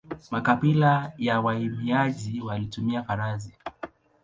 Makabila ya wahamiaji walitumia farasi.